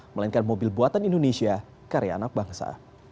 melainkan mobil buatan indonesia karya anak bangsa